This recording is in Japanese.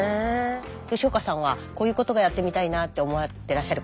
吉岡さんはこういうことがやってみたいなって思ってらっしゃる